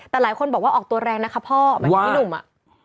แต่หลายคนบอกว่าออกตัวแรงนะคะพ่อเหมือนพี่หนุ่มอ่ะ